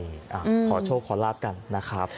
ขอโชคขอลาบกันนะครับ